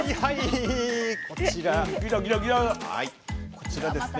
こちらですね